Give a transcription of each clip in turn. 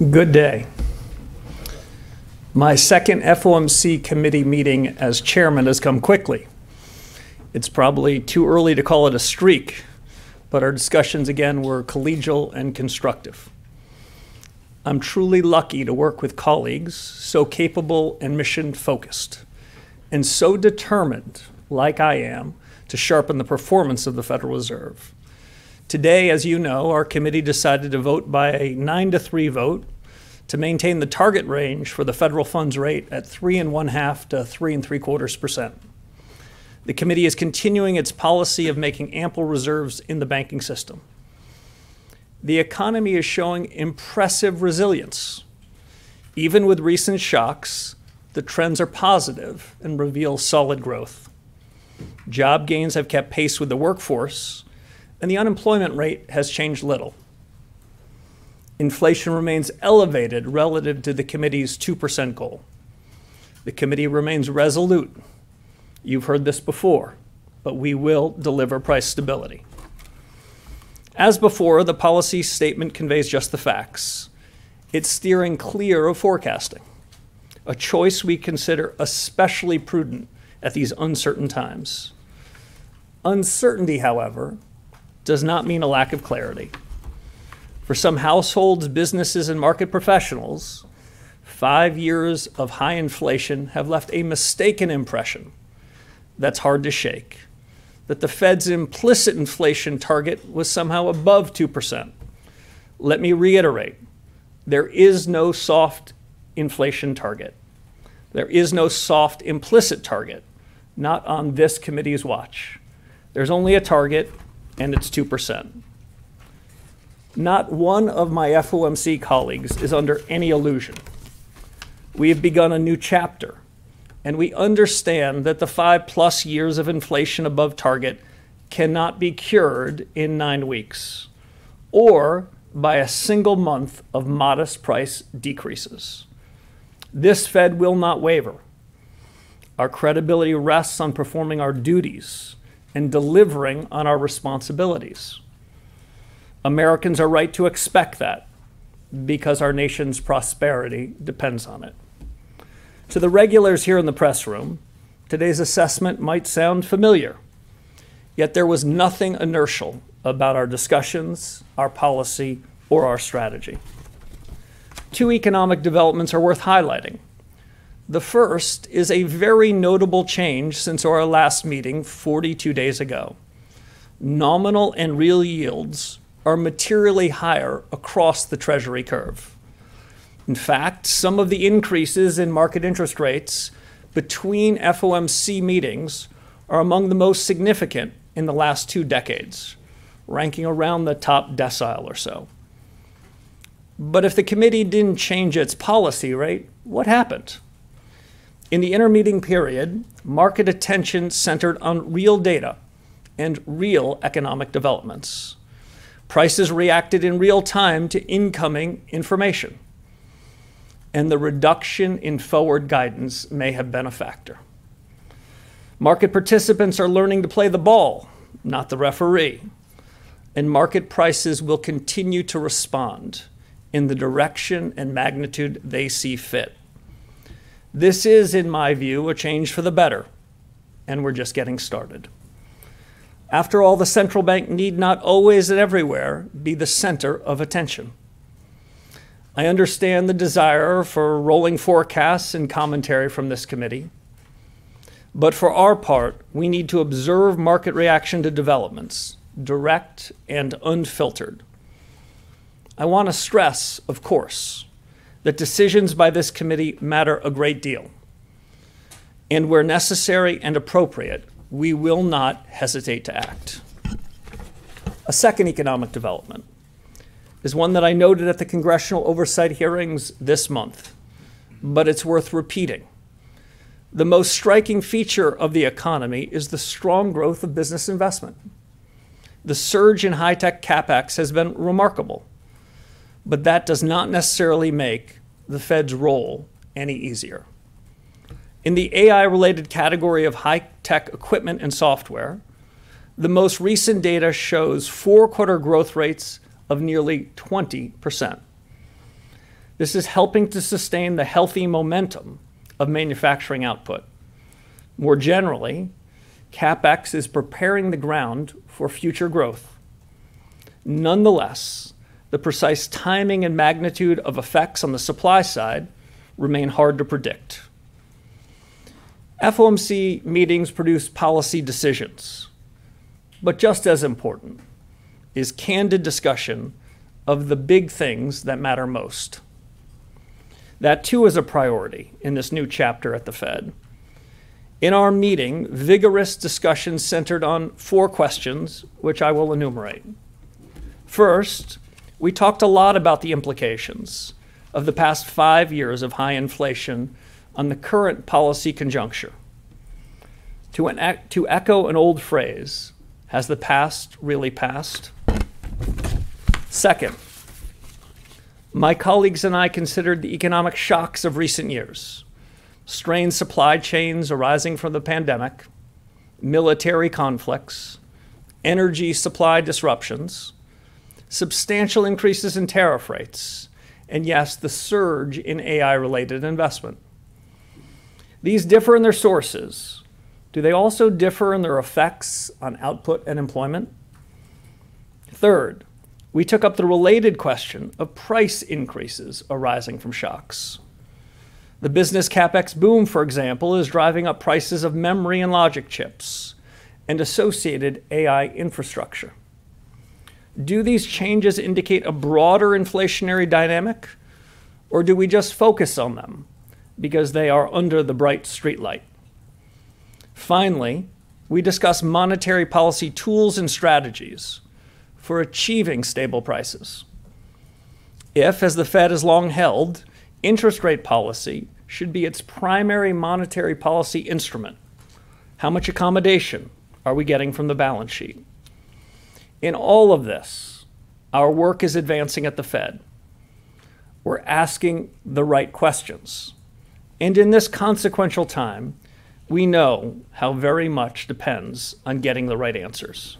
Good day. My second FOMC Committee meeting as Chairman has come quickly. It's probably too early to call it a streak, but our discussions again were collegial and constructive. I'm truly lucky to work with colleagues so capable and mission-focused, and so determined, like I am, to sharpen the performance of the Federal Reserve. Today, as you know, our committee decided to vote by a 9-3 vote to maintain the target range for the federal funds rate at 3.5%-3.75%. The committee is continuing its policy of making ample reserves in the banking system. The economy is showing impressive resilience. Even with recent shocks, the trends are positive and reveal solid growth. Job gains have kept pace with the workforce, and the unemployment rate has changed little. Inflation remains elevated relative to the committee's 2% goal. The committee remains resolute. You've heard this before. We will deliver price stability. As before, the policy statement conveys just the facts. It's steering clear of forecasting, a choice we consider especially prudent at these uncertain times. Uncertainty, however, does not mean a lack of clarity. For some households, businesses, and market professionals, five years of high inflation have left a mistaken impression that's hard to shake, that the Fed's implicit inflation target was somehow above 2%. Let me reiterate, there is no soft inflation target. There is no soft implicit target, not on this committee's watch. There's only a target, and it's 2%. Not one of my FOMC colleagues is under any illusion. We have begun a new chapter, and we understand that the five-plus years of inflation above target cannot be cured in nine weeks or by a single month of modest price decreases. This Fed will not waver. Our credibility rests on performing our duties and delivering on our responsibilities. Americans are right to expect that because our nation's prosperity depends on it. To the regulars here in the press room, today's assessment might sound familiar, yet there was nothing inertial about our discussions, our policy, or our strategy. Two economic developments are worth highlighting. The first is a very notable change since our last meeting 42 days ago. Nominal and real yields are materially higher across the Treasury curve. In fact, some of the increases in market interest rates between FOMC meetings are among the most significant in the last two decades, ranking around the top decile or so. If the committee didn't change its policy rate, what happened? In the intermeeting period, market attention centered on real data and real economic developments. Prices reacted in real time to incoming information. The reduction in forward guidance may have been a factor. Market participants are learning to play the ball, not the referee. Market prices will continue to respond in the direction and magnitude they see fit. This is, in my view, a change for the better. We're just getting started. After all, the central bank need not always and everywhere be the center of attention. I understand the desire for rolling forecasts and commentary from this committee. For our part, we need to observe market reaction to developments, direct and unfiltered. I want to stress, of course, that decisions by this committee matter a great deal. Where necessary and appropriate, we will not hesitate to act. A second economic development is one that I noted at the Congressional oversight hearings this month. It's worth repeating. The most striking feature of the economy is the strong growth of business investment. The surge in high-tech CapEx has been remarkable, but that does not necessarily make the Fed's role any easier. In the AI-related category of high-tech equipment and software, the most recent data shows four-quarter growth rates of nearly 20%. This is helping to sustain the healthy momentum of manufacturing output. More generally, CapEx is preparing the ground for future growth. Nonetheless, the precise timing and magnitude of effects on the supply side remain hard to predict. FOMC meetings produce policy decisions, but just as important is candid discussion of the big things that matter most. That, too, is a priority in this new chapter at the Fed. In our meeting, vigorous discussions centered on four questions, which I will enumerate. First, we talked a lot about the implications of the past five years of high inflation on the current policy conjuncture. To echo an old phrase, has the past really passed? Second, my colleagues and I considered the economic shocks of recent years, strained supply chains arising from the pandemic military conflicts, energy supply disruptions, substantial increases in tariff rates, and yes, the surge in AI-related investment. These differ in their sources. Do they also differ in their effects on output and employment? Third, we took up the related question of price increases arising from shocks. The business CapEx boom, for example, is driving up prices of memory and logic chips and associated AI infrastructure. Do these changes indicate a broader inflationary dynamic, or do we just focus on them because they are under the bright streetlight? Finally, we discuss monetary policy tools and strategies for achieving stable prices. If, as the Fed has long held, interest rate policy should be its primary monetary policy instrument, how much accommodation are we getting from the balance sheet? In all of this, our work is advancing at the Fed. We're asking the right questions, and in this consequential time, we know how very much depends on getting the right answers.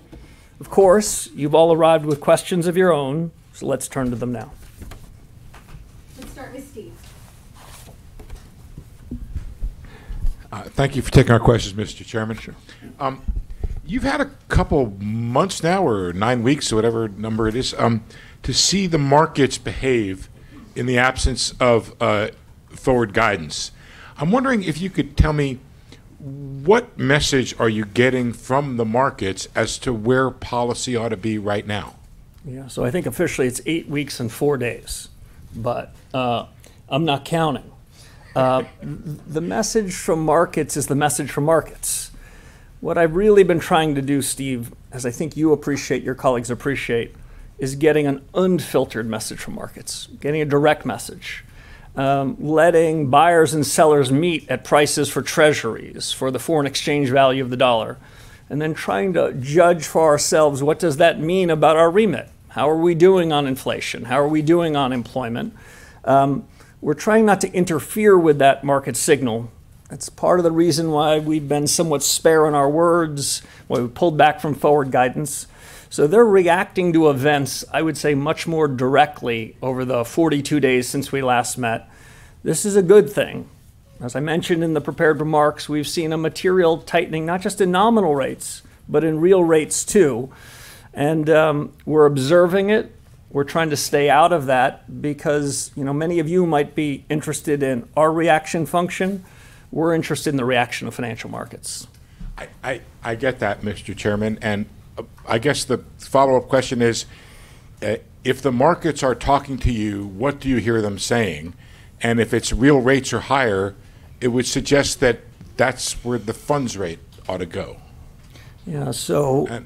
Of course, you've all arrived with questions of your own, so let's turn to them now. Let's start with Steve. Thank you for taking our questions, Mr. Chairman. Sure. You've had a couple months now, or nine weeks, or whatever number it is, to see the markets behave in the absence of forward guidance. I'm wondering if you could tell me what message are you getting from the markets as to where policy ought to be right now? I think officially it's eight weeks and four days, but I'm not counting. The message from markets is the message from markets. What I've really been trying to do, Steve, as I think you appreciate, your colleagues appreciate, is getting an unfiltered message from markets, getting a direct message. Letting buyers and sellers meet at prices for treasuries, for the foreign exchange value of the dollar, then trying to judge for ourselves what does that mean about our remit? How are we doing on inflation? How are we doing on employment? We're trying not to interfere with that market signal. That's part of the reason why we've been somewhat spare in our words, why we pulled back from forward guidance. They're reacting to events, I would say, much more directly over the 42 days since we last met. This is a good thing. As I mentioned in the prepared remarks, we've seen a material tightening, not just in nominal rates, but in real rates, too. We're observing it. We're trying to stay out of that because many of you might be interested in our reaction function. We're interested in the reaction of financial markets. I get that, Mr. Chairman, I guess the follow-up question is, if the markets are talking to you, what do you hear them saying? If it's real rates are higher, it would suggest that that's where the funds rate ought to go. Yeah. Sorry.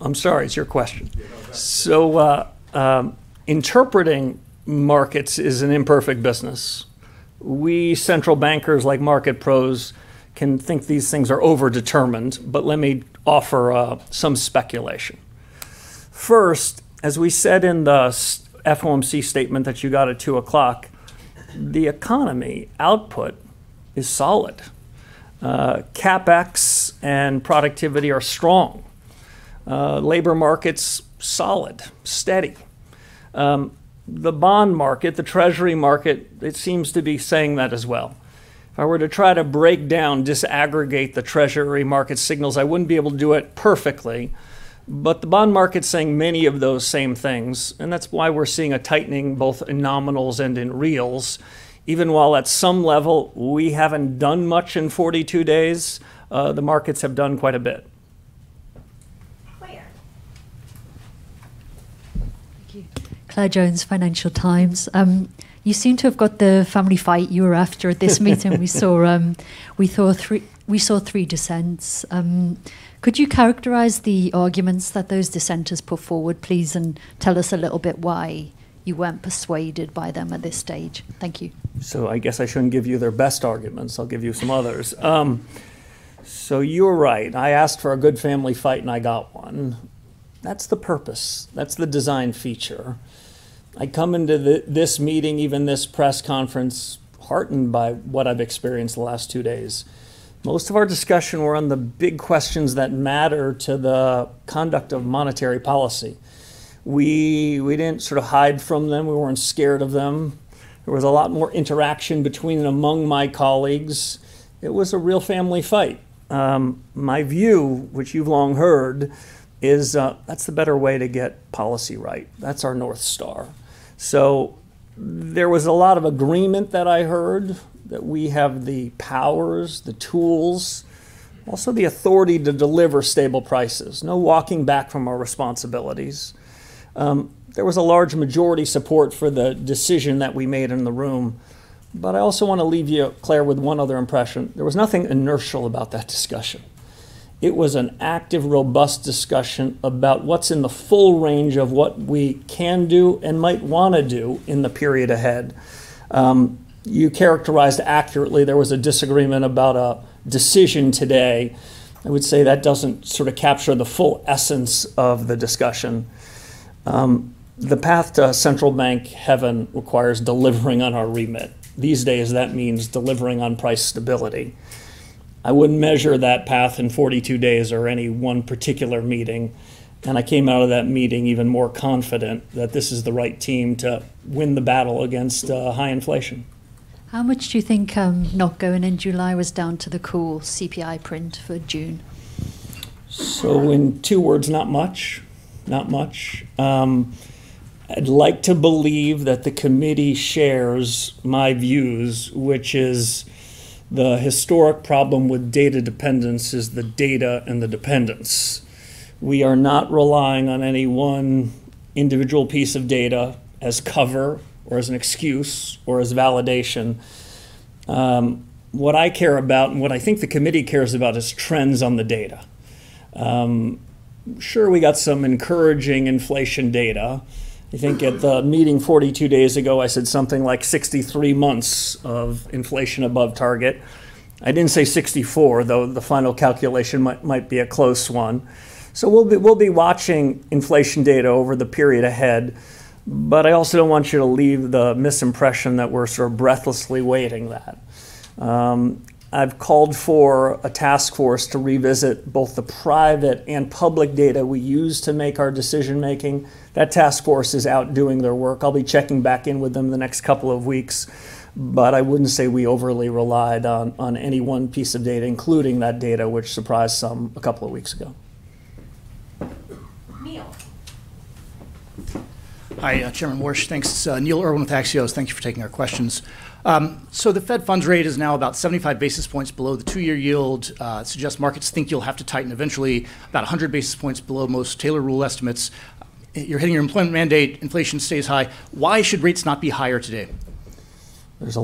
I'm sorry. It's your question. No, go ahead. Interpreting markets is an imperfect business. We central bankers, like market pros, can think these things are overdetermined, but let me offer some speculation. First, as we said in the FOMC statement that you got at 2:00, the economy output is solid. CapEx and productivity are strong. Labor market's solid, steady. The bond market, the Treasury market, it seems to be saying that as well. If I were to try to break down, disaggregate the Treasury market signals, I wouldn't be able to do it perfectly, but the bond market's saying many of those same things, and that's why we're seeing a tightening both in nominals and in reals. Even while at some level we haven't done much in 42 days, the markets have done quite a bit. Claire. Thank you. Claire Jones, Financial Times. You seem to have got the family fight you were after at this meeting. We saw three dissents. Could you characterize the arguments that those dissenters put forward, please, and tell us a little bit why you weren't persuaded by them at this stage? Thank you. I guess I shouldn't give you their best arguments. I'll give you some others. You're right. I asked for a good family fight, and I got one. That's the purpose. That's the design feature. I come into this meeting, even this press conference, heartened by what I've experienced the last two days. Most of our discussion were on the big questions that matter to the conduct of monetary policy. We didn't hide from them. We weren't scared of them. There was a lot more interaction between and among my colleagues. It was a real family fight. My view, which you've long heard, is that's the better way to get policy right. That's our North Star. There was a lot of agreement that I heard, that we have the powers, the tools, also the authority to deliver stable prices. No walking back from our responsibilities. There was a large majority support for the decision that we made in the room. I also want to leave you, Claire, with one other impression. There was nothing inertial about that discussion. It was an active, robust discussion about what's in the full range of what we can do and might want to do in the period ahead. You characterized accurately there was a disagreement about a decision today. I would say that doesn't capture the full essence of the discussion. The path to central bank heaven requires delivering on our remit. These days, that means delivering on price stability. I wouldn't measure that path in 42 days or any one particular meeting, and I came out of that meeting even more confident that this is the right team to win the battle against high inflation. How much do you think not going in July was down to the core CPI print for June? In two words, not much. I'd like to believe that the committee shares my views, which is the historic problem with data dependence is the data and the dependence. We are not relying on any one individual piece of data as cover or as an excuse or as validation. What I care about and what I think the committee cares about is trends on the data. Sure, we got some encouraging inflation data. I think at the meeting 42 days ago, I said something like 63 months of inflation above target. I didn't say 64, though the final calculation might be a close one. We'll be watching inflation data over the period ahead, but I also don't want you to leave the misimpression that we're sort of breathlessly awaiting that. I've called for a task force to revisit both the private and public data we use to make our decision-making. That task force is out doing their work. I'll be checking back in with them the next couple of weeks, but I wouldn't say we overly relied on any one piece of data, including that data, which surprised some a couple of weeks ago. Neil. Hi, Chairman Warsh. Thanks. Neil Irwin with Axios. Thank you for taking our questions. The federal funds rate is now about 75 basis points below the two-year yield. Suggests markets think you'll have to tighten eventually about 100 basis points below most Taylor rule estimates. You're hitting your employment mandate, inflation stays high. Why should rates not be higher today? Rates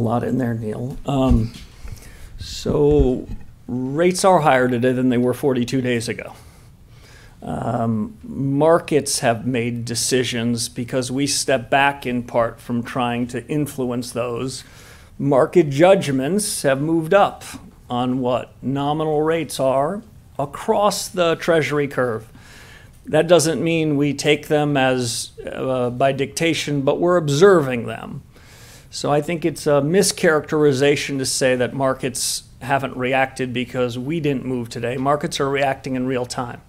are higher today than they were 42 days ago. Markets have made decisions because we step back in part from trying to influence those. Market judgments have moved up on what nominal rates are across the Treasury curve. That doesn't mean we take them by dictation, but we're observing them. I think it's a mischaracterization to say that markets haven't reacted because we didn't move today. Markets are reacting in real time.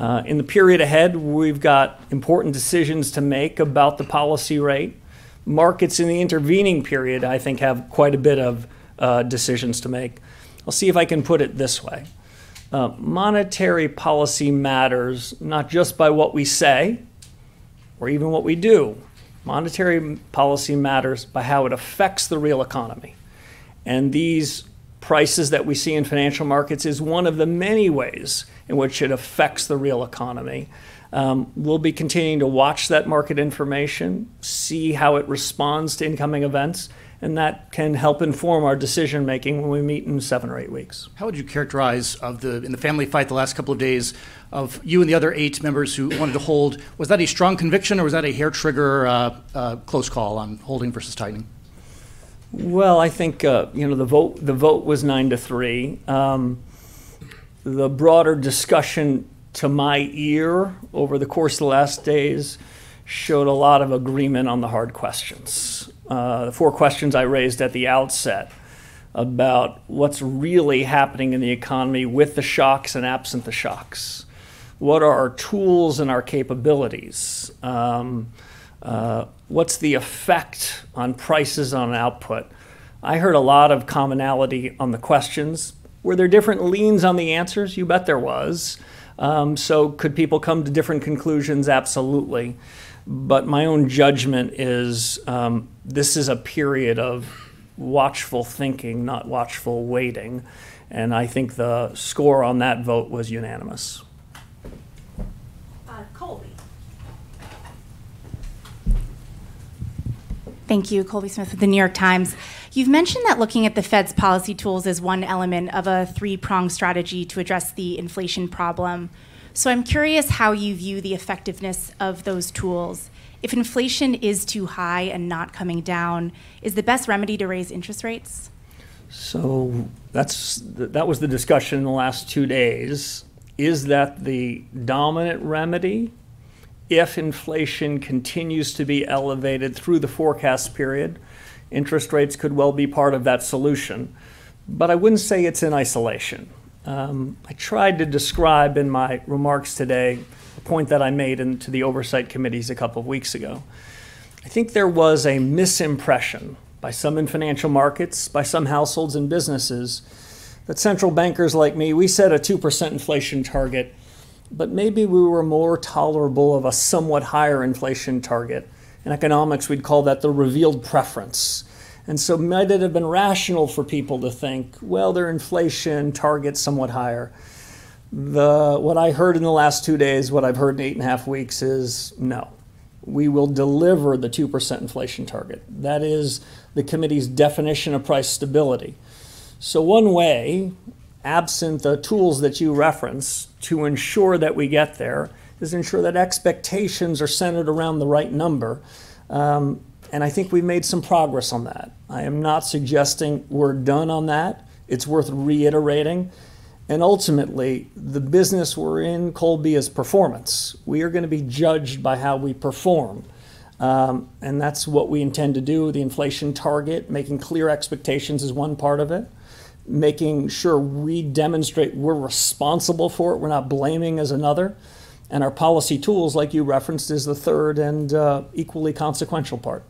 In the period ahead, we've got important decisions to make about the policy rate. Markets in the intervening period, I think, have quite a bit of decisions to make. I'll see if I can put it this way. Monetary policy matters not just by what we say or even what we do. Monetary policy matters by how it affects the real economy. These prices that we see in financial markets is one of the many ways in which it affects the real economy. We'll be continuing to watch that market information, see how it responds to incoming events. That can help inform our decision-making when we meet in seven or eight weeks. How would you characterize, in the family fight the last couple of days, of you and the other eight members who wanted to hold? Was that a strong conviction, or was that a hair trigger, close call on holding versus tightening? Well, I think, the vote was 9-3. The broader discussion to my ear over the course of the last days showed a lot of agreement on the hard questions. The four questions I raised at the outset about what's really happening in the economy with the shocks and absent the shocks. What are our tools and our capabilities? What's the effect on prices, on output? I heard a lot of commonality on the questions. Were there different leans on the answers? You bet there was. Could people come to different conclusions? Absolutely. My own judgment is, this is a period of watchful thinking, not watchful waiting, and I think the score on that vote was unanimous. Colby. Thank you. Colby Smith with The New York Times. You've mentioned that looking at the Fed's policy tools is one element of a three-pronged strategy to address the inflation problem. I'm curious how you view the effectiveness of those tools. If inflation is too high and not coming down, is the best remedy to raise interest rates? That was the discussion in the last two days. Is that the dominant remedy? If inflation continues to be elevated through the forecast period, interest rates could well be part of that solution. I wouldn't say it's in isolation. I tried to describe in my remarks today a point that I made to the oversight committees a couple of weeks ago. I think there was a misimpression by some in financial markets, by some households and businesses, that central bankers like me, we set a 2% inflation target, but maybe we were more tolerable of a somewhat higher inflation target. In economics, we'd call that the revealed preference. Might it have been rational for people to think, well, their inflation target's somewhat higher. What I heard in the last two days, what I've heard in eight and a half weeks is, no, we will deliver the 2% inflation target. That is the committee's definition of price stability. One way, absent the tools that you reference to ensure that we get there, is ensure that expectations are centered around the right number, and I think we made some progress on that. I am not suggesting we're done on that. It's worth reiterating. Ultimately, the business we're in, Colby, is performance. We are going to be judged by how we perform. That's what we intend to do. The inflation target, making clear expectations is one part of it. Making sure we demonstrate we're responsible for it, we're not blaming, is another. Our policy tools, like you referenced, is the third and equally consequential part.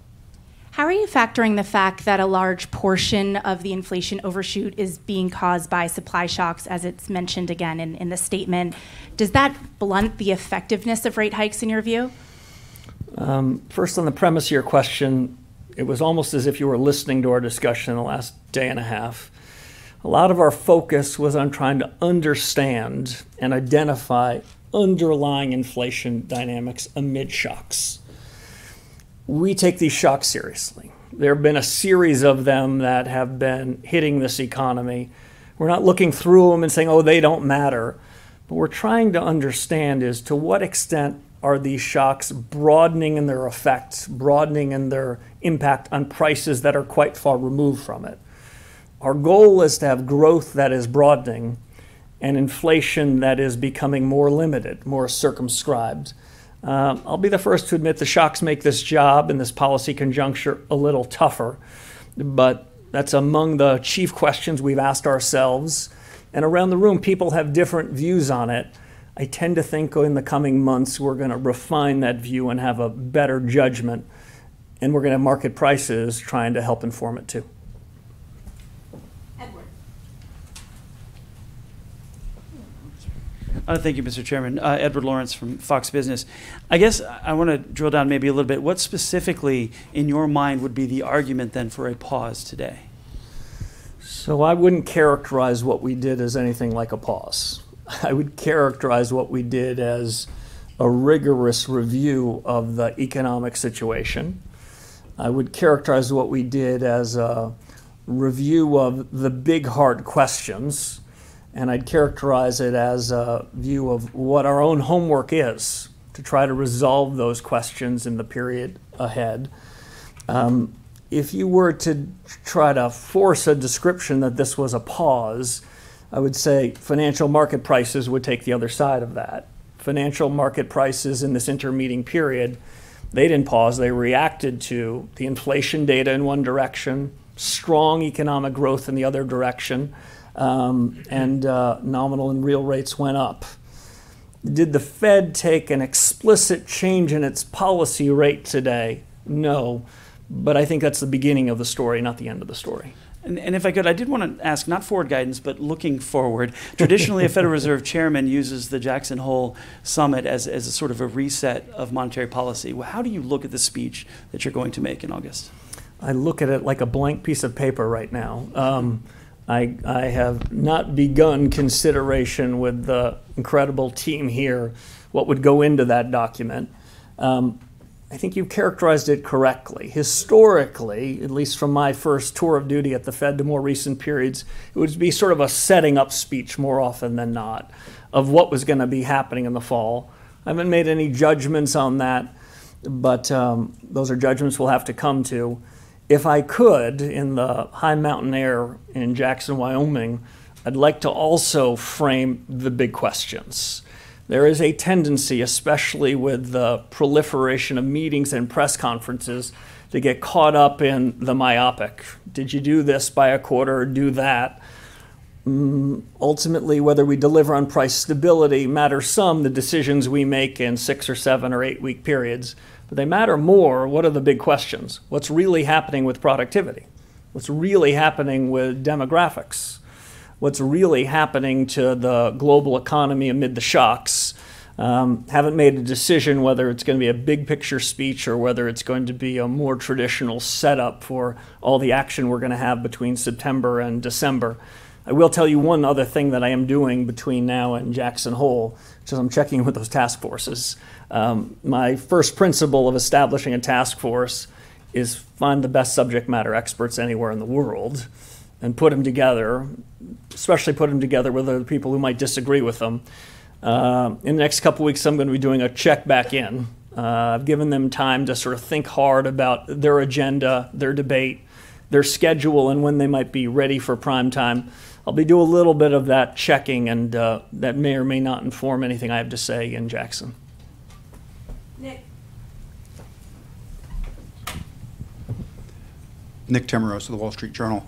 How are you factoring the fact that a large portion of the inflation overshoot is being caused by supply shocks, as it's mentioned again in the statement? Does that blunt the effectiveness of rate hikes in your view? First, on the premise of your question, it was almost as if you were listening to our discussion in the last day and a half. A lot of our focus was on trying to understand and identify underlying inflation dynamics amid shocks. We take these shocks seriously. There have been a series of them that have been hitting this economy. We're not looking through them and saying, "Oh, they don't matter." We're trying to understand is, to what extent are these shocks broadening in their effects, broadening in their impact on prices that are quite far removed from it? Our goal is to have growth that is broadening and inflation that is becoming more limited, more circumscribed. I'll be the first to admit the shocks make this job and this policy conjuncture a little tougher, but that's among the chief questions we've asked ourselves. Around the room, people have different views on it. I tend to think in the coming months, we're going to refine that view and have a better judgment. And we're going to market prices trying to help inform it, too. Edward. Thank you, Mr. Chairman. Edward Lawrence from Fox Business. I guess I want to drill down maybe a little bit. What specifically in your mind would be the argument then for a pause today? I wouldn't characterize what we did as anything like a pause. I would characterize what we did as a rigorous review of the economic situation. I would characterize what we did as a review of the big, hard questions. I'd characterize it as a view of what our own homework is to try to resolve those questions in the period ahead. If you were to try to force a description that this was a pause, I would say financial market prices would take the other side of that. Financial market prices in this intermeeting period, they didn't pause. They reacted to the inflation data in one direction, strong economic growth in the other direction, and nominal and real rates went up. Did the Fed take an explicit change in its policy rate today? No. I think that's the beginning of the story, not the end of the story. If I could, I did want to ask, not forward guidance, but looking forward. Traditionally, a Federal Reserve chairman uses the Jackson Hole summit as a sort of a reset of monetary policy. How do you look at the speech that you're going to make in August? I look at it like a blank piece of paper right now. I have not begun consideration with the incredible team here what would go into that document. I think you characterized it correctly. Historically, at least from my first tour of duty at the Fed to more recent periods, it would be sort of a setting-up speech more often than not of what was going to be happening in the fall. I haven't made any judgments on that, but those are judgments we'll have to come to. If I could, in the high mountain air in Jackson, Wyoming, I'd like to also frame the big questions. There is a tendency, especially with the proliferation of meetings and press conferences, to get caught up in the myopic. Did you do this by a quarter or do that? Ultimately, whether we deliver on price stability matter some, the decisions we make in six or seven or eight-week periods, but they matter more, what are the big questions? What's really happening with productivity? What's really happening with demographics? What's really happening to the global economy amid the shocks? Haven't made a decision whether it's going to be a big-picture speech or whether it's going to be a more traditional setup for all the action we're going to have between September and December. I will tell you one other thing that I am doing between now and Jackson Hole, which is I'm checking with those task forces. My first principle of establishing a task force is find the best subject matter experts anywhere in the world and put them together, especially put them together with other people who might disagree with them. In the next couple of weeks, I'm going to be doing a check back in. I've given them time to sort of think hard about their agenda, their debate, their schedule, and when they might be ready for prime time. I'll be doing a little bit of that checking, and that may or may not inform anything I have to say in Jackson. Nick. Nick Timiraos of The Wall Street Journal.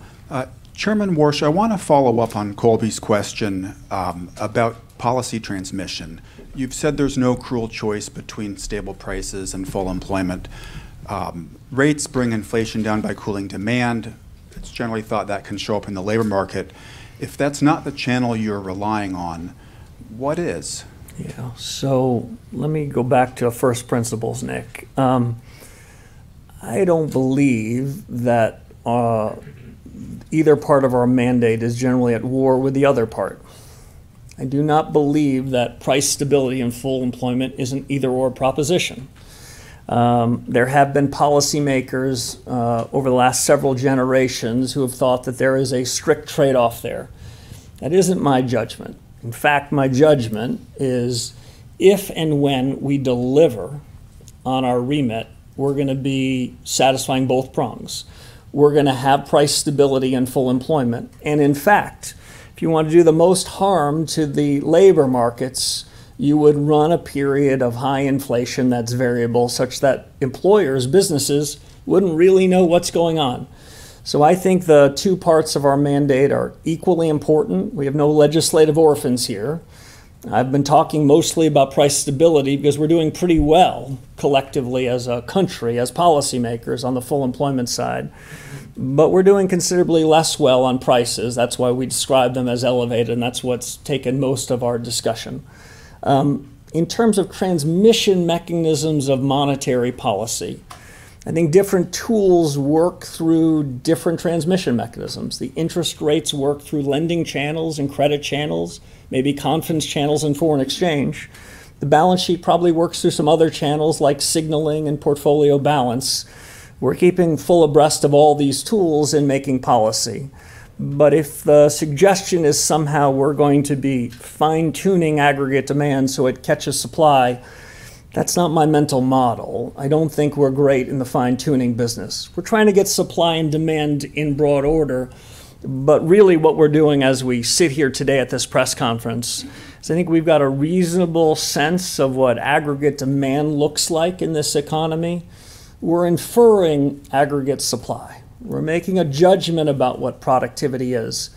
Chairman Warsh, I want to follow up on Colby's question about policy transmission. You've said there's no cruel choice between stable prices and full employment. Rates bring inflation down by cooling demand. It's generally thought that can show up in the labor market. If that's not the channel you're relying on, what is? Let me go back to first principles, Nick. I don't believe that either part of our mandate is generally at war with the other part. I do not believe that price stability and full employment is an either/or proposition. There have been policymakers over the last several generations who have thought that there is a strict trade-off there. That isn't my judgment. In fact, my judgment is if and when we deliver on our remit, we're going to be satisfying both prongs. We're going to have price stability and full employment. In fact, if you want to do the most harm to the labor markets, you would run a period of high inflation that's variable such that employers, businesses wouldn't really know what's going on. I think the two parts of our mandate are equally important. We have no legislative orphans here. I've been talking mostly about price stability because we're doing pretty well collectively as a country, as policymakers on the full employment side. We're doing considerably less well on prices. That's why we describe them as elevated, and that's what's taken most of our discussion. In terms of transmission mechanisms of monetary policy, I think different tools work through different transmission mechanisms. The interest rates work through lending channels and credit channels, maybe confidence channels and foreign exchange. The balance sheet probably works through some other channels like signaling and portfolio balance. We're keeping full abreast of all these tools in making policy. If the suggestion is somehow we're going to be fine-tuning aggregate demand so it catches supply, that's not my mental model. I don't think we're great in the fine-tuning business. We're trying to get supply and demand in broad order. What we're doing as we sit here today at this press conference is I think we've got a reasonable sense of what aggregate demand looks like in this economy. We're inferring aggregate supply. We're making a judgment about what productivity is.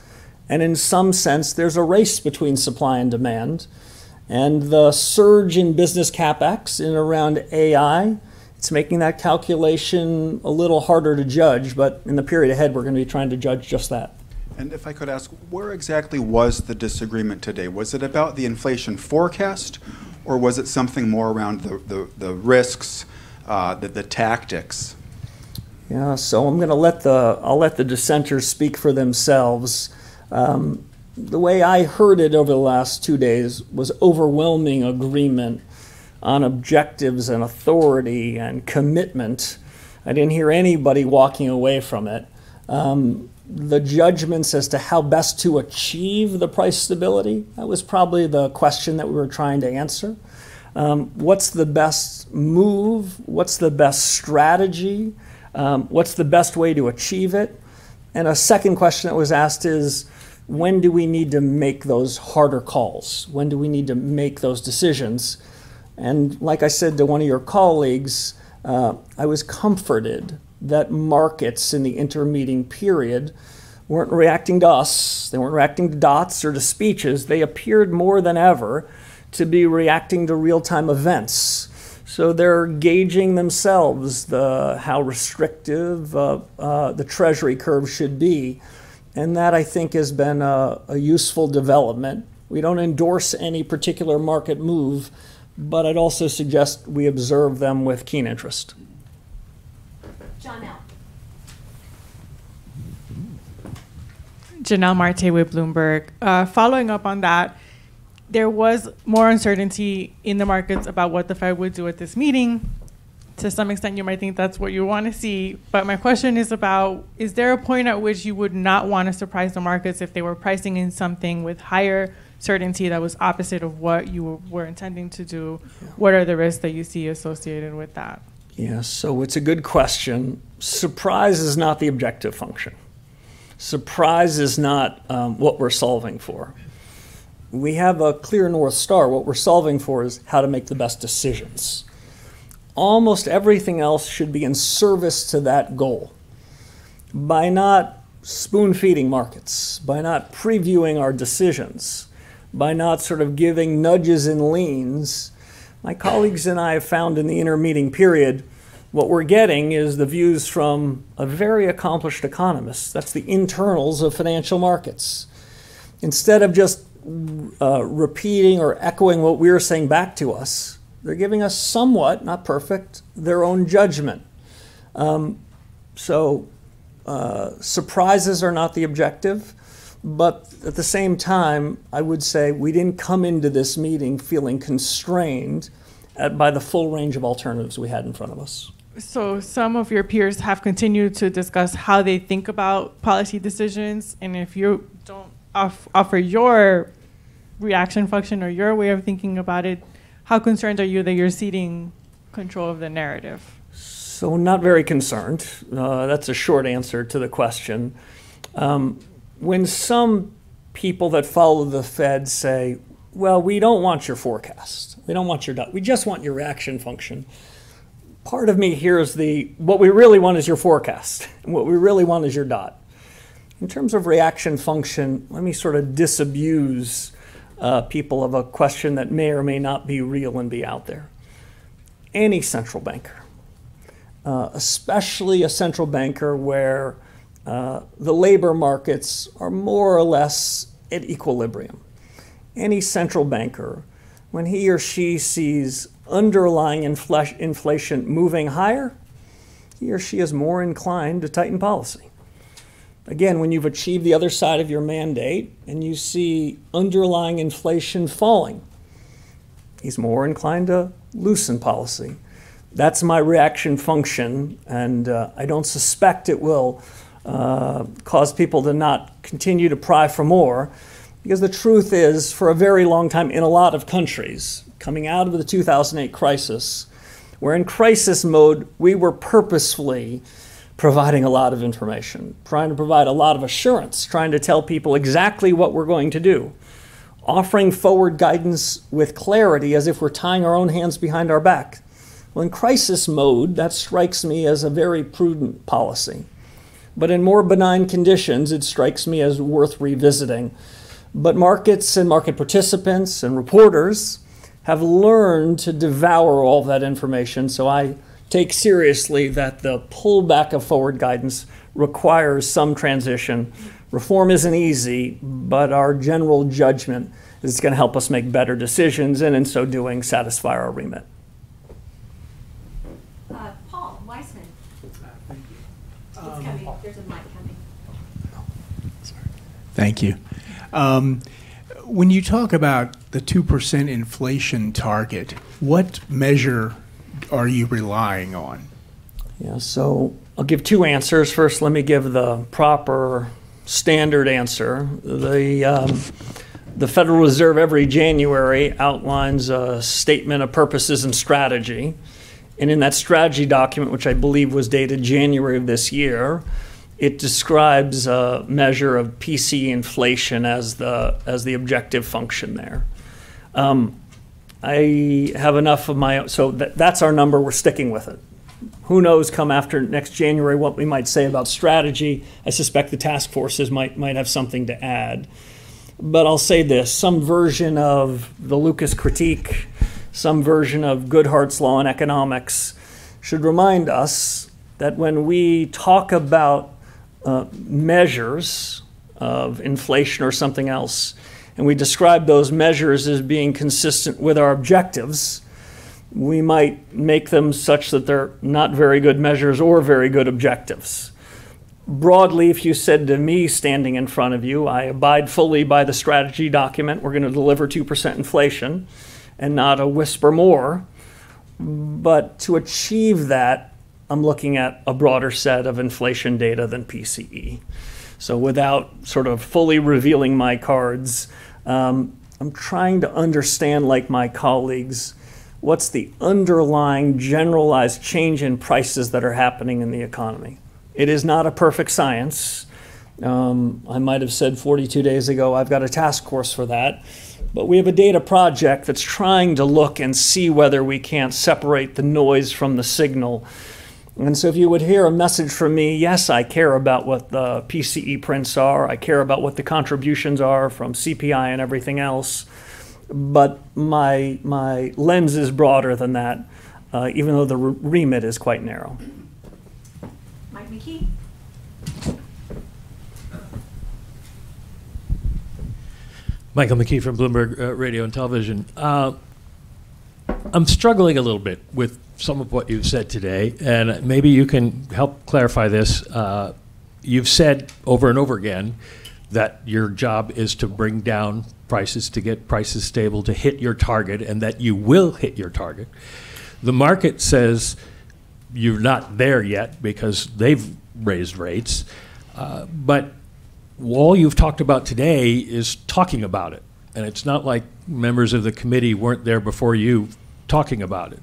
In some sense, there's a race between supply and demand. The surge in business CapEx in around AI, it's making that calculation a little harder to judge, but in the period ahead, we're going to be trying to judge just that. If I could ask, where exactly was the disagreement today? Was it about the inflation forecast, or was it something more around the risks, the tactics? I'll let the dissenters speak for themselves. The way I heard it over the last two days was overwhelming agreement on objectives and authority and commitment. I didn't hear anybody walking away from it. The judgments as to how best to achieve the price stability, that was probably the question that we were trying to answer. What's the best move? What's the best strategy? What's the best way to achieve it? A second question that was asked is, when do we need to make those harder calls? When do we need to make those decisions? Like I said to one of your colleagues, I was comforted that markets in the intermeeting period weren't reacting to us, they weren't reacting to dots or to speeches. They appeared more than ever to be reacting to real-time events. They're gauging themselves, how restrictive the Treasury curve should be, that I think has been a useful development. We don't endorse any particular market move, I'd also suggest we observe them with keen interest. Jonnelle. Jonnelle Marte with Bloomberg. Following up on that, there was more uncertainty in the markets about what the Fed would do at this meeting. To some extent you might think that's what you want to see, but my question is about is there a point at which you would not want to surprise the markets if they were pricing in something with higher certainty that was opposite of what you were intending to do? Yeah. What are the risks that you see associated with that? Yeah. It's a good question. Surprise is not the objective function. Surprise is not what we're solving for. We have a clear North Star. What we're solving for is how to make the best decisions. Almost everything else should be in service to that goal. By not spoon-feeding markets, by not previewing our decisions, by not sort of giving nudges and leans, my colleagues and I have found in the intermeeting period what we're getting is the views from a very accomplished economist. That's the internals of financial markets. Instead of just repeating or echoing what we are saying back to us, they're giving us somewhat, not perfect, their own judgment. Surprises are not the objective, but at the same time, I would say we didn't come into this meeting feeling constrained by the full range of alternatives we had in front of us. Some of your peers have continued to discuss how they think about policy decisions, and if you don't offer your reaction function or your way of thinking about it, how concerned are you that you're ceding control of the narrative? Not very concerned. That's a short answer to the question. When some people that follow the Fed say, "Well, we don't want your forecast. We don't want your dot. We just want your reaction function." Part of me hears the, "What we really want is your forecast, and what we really want is your dot." In terms of reaction function, let me sort of disabuse people of a question that may or may not be real and be out there. Any central banker, especially a central banker where the labor markets are more or less at equilibrium, any central banker, when he or she sees underlying inflation moving higher, he or she is more inclined to tighten policy. Again, when you've achieved the other side of your mandate and you see underlying inflation falling, he's more inclined to loosen policy. That's my reaction function, and I don't suspect it will cause people to not continue to pry for more, because the truth is, for a very long time, in a lot of countries, coming out of the 2008 crisis, we're in crisis mode. We were purposefully providing a lot of information, trying to provide a lot of assurance, trying to tell people exactly what we're going to do. Offering forward guidance with clarity as if we're tying our own hands behind our back. In crisis mode, that strikes me as a very prudent policy. In more benign conditions, it strikes me as worth revisiting. Markets, and market participants, and reporters have learned to devour all that information, so I take seriously that the pullback of forward guidance requires some transition. Reform isn't easy, but our general judgment is it's going to help us make better decisions, and in so doing, satisfy our remit. Paul Wiseman. Thank you. It's coming. There's a mic coming. Sorry. Thank you. When you talk about the 2% inflation target, what measure are you relying on? Yeah. I'll give two answers. First, let me give the proper standard answer. The Federal Reserve, every January, outlines a statement of purposes and strategy, and in that strategy document, which I believe was dated January of this year, it describes a measure of PCE inflation as the objective function there. That's our number. We're sticking with it. Who knows, come after next January, what we might say about strategy. I suspect the task forces might have something to add. I'll say this, some version of the Lucas critique, some version of Goodhart's law in economics should remind us that when we talk about measures of inflation or something else, and we describe those measures as being consistent with our objectives, we might make them such that they're not very good measures or very good objectives. Broadly, if you said to me standing in front of you, I abide fully by the strategy document, we're going to deliver 2% inflation and not a whisper more. To achieve that, I'm looking at a broader set of inflation data than PCE. Without sort of fully revealing my cards, I'm trying to understand, like my colleagues, what's the underlying generalized change in prices that are happening in the economy? It is not a perfect science. I might have said 42 days ago, I've got a task force for that. We have a data project that's trying to look and see whether we can't separate the noise from the signal. If you would hear a message from me, yes, I care about what the PCE prints are. I care about what the contributions are from CPI and everything else, my lens is broader than that, even though the remit is quite narrow. Mike McKee. Michael McKee from Bloomberg Radio and Television. I'm struggling a little bit with some of what you've said today, maybe you can help clarify this. You've said over and over again that your job is to bring down prices, to get prices stable, to hit your target, that you will hit your target. The market says you're not there yet because they've raised rates. All you've talked about today is talking about it's not like members of the committee weren't there before you talking about it.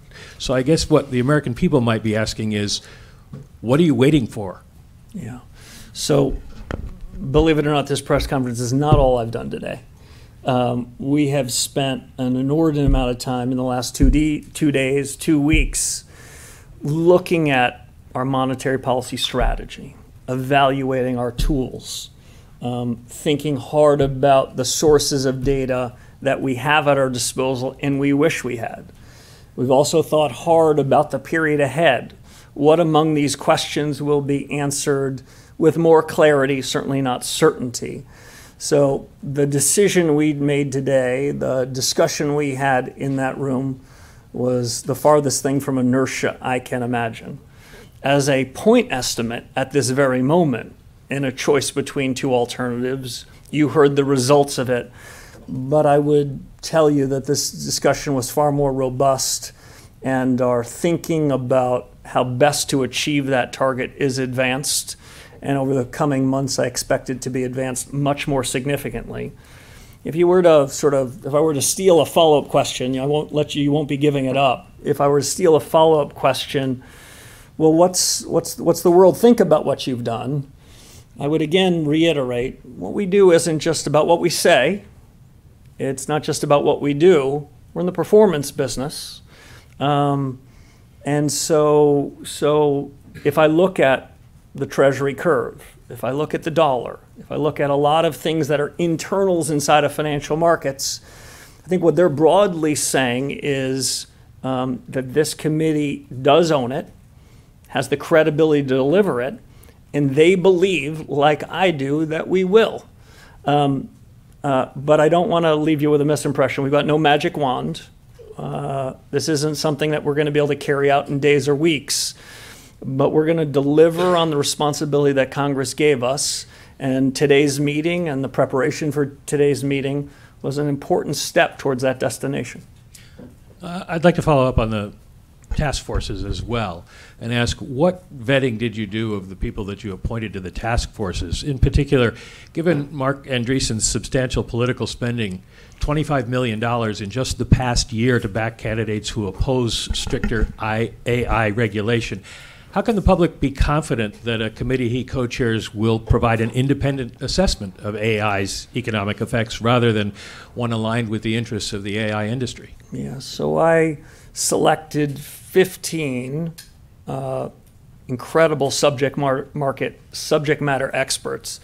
I guess what the American people might be asking is, what are you waiting for? Believe it or not, this press conference is not all I've done today. We have spent an inordinate amount of time in the last two days, two weeks, looking at our monetary policy strategy, evaluating our tools, thinking hard about the sources of data that we have at our disposal and we wish we had. We've also thought hard about the period ahead. What among these questions will be answered with more clarity, certainly not certainty. The decision we'd made today, the discussion we had in that room was the farthest thing from inertia I can imagine. As a point estimate at this very moment, in a choice between two alternatives, you heard the results of it. I would tell you that this discussion was far more robust and our thinking about how best to achieve that target is advanced, and over the coming months, I expect it to be advanced much more significantly. If I were to steal a follow-up question, I won't let you won't be giving it up. If I were to steal a follow-up question, well, what's the world think about what you've done? I would again reiterate, what we do isn't just about what we say. It's not just about what we do. We're in the performance business. If I look at the Treasury curve, if I look at the dollar, if I look at a lot of things that are internals inside of financial markets, I think what they're broadly saying is that this committee does own it, has the credibility to deliver it, and they believe, like I do, that we will. I don't want to leave you with a misimpression. We've got no magic wand. This isn't something that we're going to be able to carry out in days or weeks, but we're going to deliver on the responsibility that Congress gave us. Today's meeting, and the preparation for today's meeting, was an important step towards that destination. I'd like to follow up on the task forces as well, and ask what vetting did you do of the people that you appointed to the task forces? In particular, given Marc Andreessen's substantial political spending, $25 million in just the past year to back candidates who oppose stricter AI regulation, how can the public be confident that a committee he co-chairs will provide an independent assessment of AI's economic effects rather than one aligned with the interests of the AI industry? I selected 15 incredible subject matter experts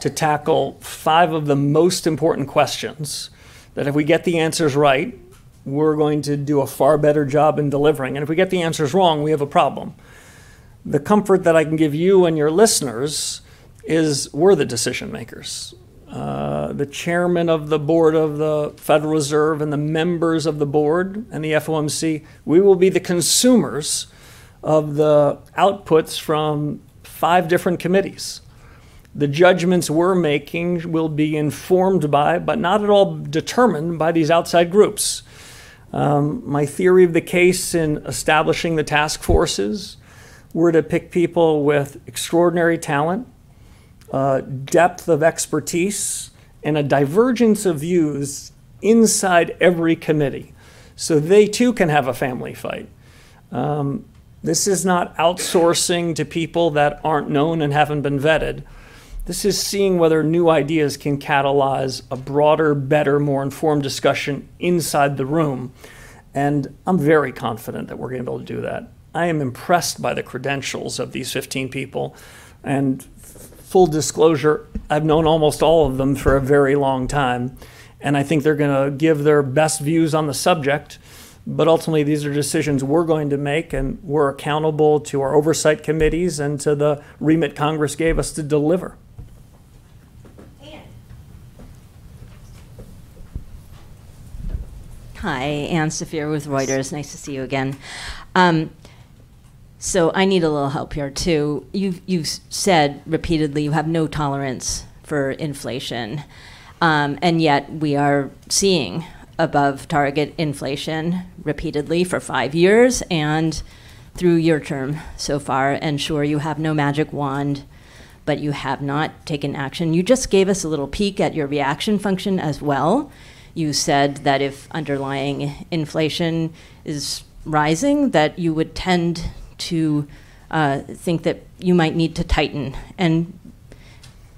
to tackle five of the most important questions that if we get the answers right, we're going to do a far better job in delivering. If we get the answers wrong, we have a problem. The comfort that I can give you and your listeners is we're the decision-makers. The Chairman of the Board of the Federal Reserve and the members of the board and the FOMC, we will be the consumers of the outputs from five different committees. The judgments we're making will be informed by, but not at all determined by, these outside groups. My theory of the case in establishing the task forces were to pick people with extraordinary talent, depth of expertise, and a divergence of views inside every committee, so they too can have a family fight. This is not outsourcing to people that aren't known and haven't been vetted. This is seeing whether new ideas can catalyze a broader, better, more informed discussion inside the room, and I'm very confident that we're going to be able to do that. I am impressed by the credentials of these 15 people, and full disclosure, I've known almost all of them for a very long time, and I think they're going to give their best views on the subject. Ultimately, these are decisions we're going to make, and we're accountable to our oversight committees and to the remit Congress gave us to deliver. Ann. Hi. Ann Saphir with Reuters. Nice to see you again. I need a little help here too. You've said repeatedly you have no tolerance for inflation, and yet we are seeing above-target inflation repeatedly for five years, and through your term so far. Sure, you have no magic wand, but you have not taken action. You just gave us a little peek at your reaction function as well. You said that if underlying inflation is rising, that you would tend to think that you might need to tighten.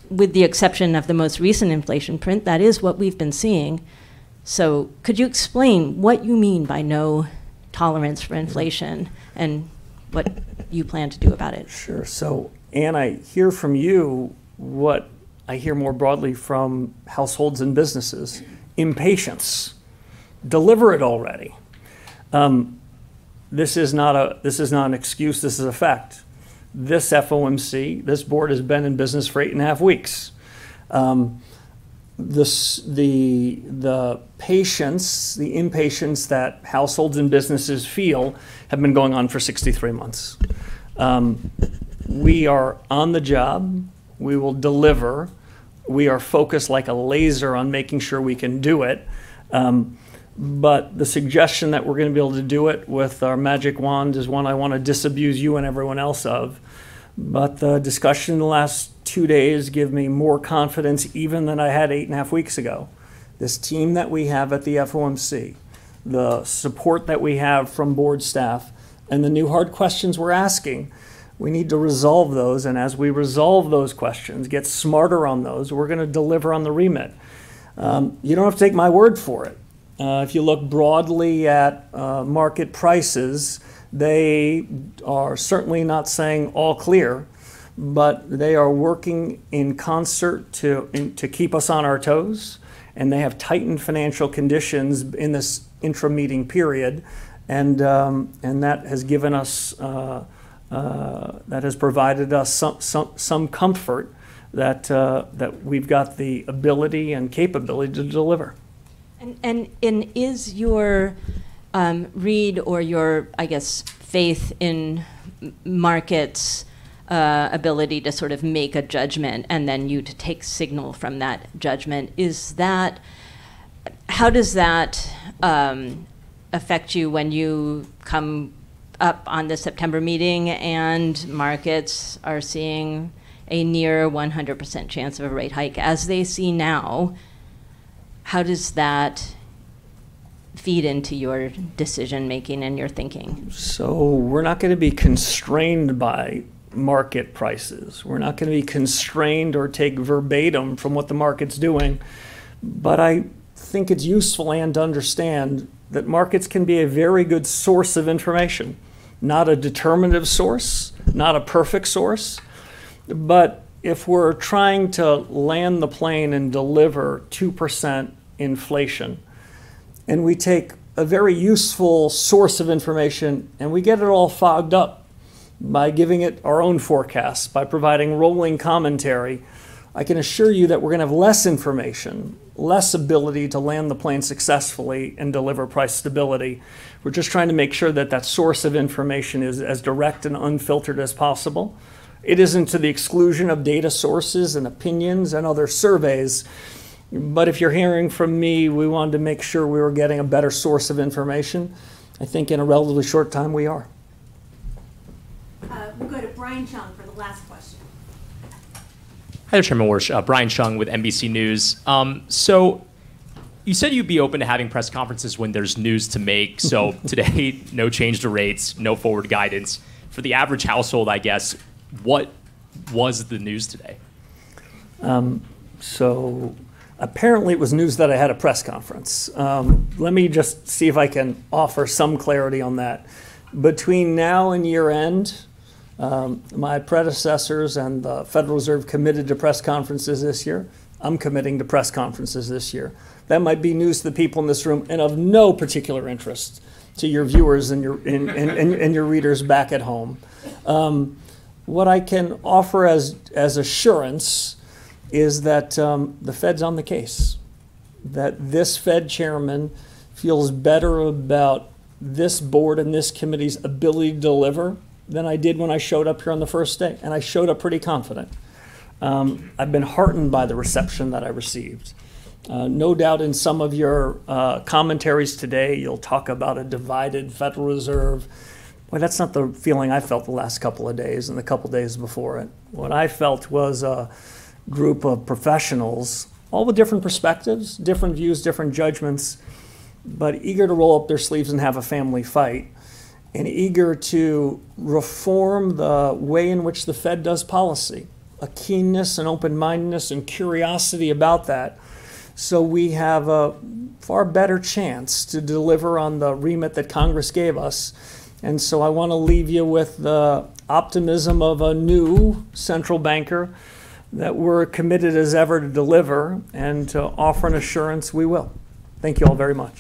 With the exception of the most recent inflation print, that is what we've been seeing. Could you explain what you mean by no tolerance for inflation, and what you plan to do about it? Sure. Ann, I hear from you what I hear more broadly from households and businesses, impatience. Deliver it already. This is not an excuse, this is a fact. This FOMC, this board, has been in business for eight and a half weeks. The impatience that households and businesses feel have been going on for 63 months. We are on the job. We will deliver. We are focused like a laser on making sure we can do it. The suggestion that we're going to be able to do it with our magic wands is one I want to disabuse you and everyone else of. The discussion the last two days give me more confidence even than I had eight and a half weeks ago. This team that we have at the FOMC, the support that we have from board staff, and the new hard questions we're asking, we need to resolve those, and as we resolve those questions, get smarter on those, we're going to deliver on the remit. You don't have to take my word for it. If you look broadly at market prices, they are certainly not saying all clear, but they are working in concert to keep us on our toes, and they have tightened financial conditions in this intra-meeting period. That has provided us some comfort that we've got the ability and capability to deliver. Is your read or your, I guess, faith in markets' ability to sort of make a judgment and then you to take signal from that judgment, how does that affect you when you come up on the September meeting and markets are seeing a near 100% chance of a rate hike as they see now? How does that feed into your decision-making and your thinking? We're not going to be constrained by market prices. We're not going to be constrained or take verbatim from what the market's doing. I think it's useful, Ann, to understand that markets can be a very good source of information. Not a determinative source, not a perfect source, but if we're trying to land the plane and deliver 2% inflation, and we take a very useful source of information and we get it all fogged up by giving it our own forecast, by providing rolling commentary, I can assure you that we're going to have less information, less ability to land the plane successfully and deliver price stability. We're just trying to make sure that that source of information is as direct and unfiltered as possible. It isn't to the exclusion of data sources and opinions and other surveys. If you're hearing from me, we wanted to make sure we were getting a better source of information. I think in a relatively short time, we are. We'll go to Brian Cheung for the last question. Hi, Kevin Warsh. Brian Cheung with NBC News. You said you'd be open to having press conferences when there's news to make. Today, no change to rates, no forward guidance. For the average household, I guess, what was the news today? Apparently, it was news that I had a press conference. Let me just see if I can offer some clarity on that. Between now and year-end, my predecessors and the Federal Reserve committed to press conferences this year. I'm committing to press conferences this year. That might be news to the people in this room and of no particular interest to your viewers and your readers back at home. What I can offer as assurance is that the Fed's on the case, that this Fed Chairman feels better about this board and this committee's ability to deliver than I did when I showed up here on the first day, and I showed up pretty confident. I've been heartened by the reception that I received. No doubt in some of your commentaries today, you'll talk about a divided Federal Reserve. Boy, that's not the feeling I felt the last couple of days and the couple of days before it. What I felt was a group of professionals, all with different perspectives, different views, different judgments, but eager to roll up their sleeves and have a family fight and eager to reform the way in which the Fed does policy, a keenness, an open-mindedness, and curiosity about that. We have a far better chance to deliver on the remit that Congress gave us. I want to leave you with the optimism of a new central banker, that we're committed as ever to deliver and to offer an assurance we will. Thank you all very much.